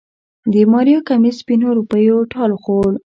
د ماريا کميس سپينو روپيو ټال خوړ.